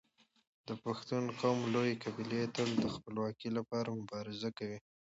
د پښتون قوم لويې قبيلې تل د خپلواکۍ لپاره مبارزه کوي.